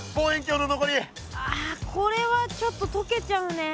あこれはちょっと溶けちゃうね。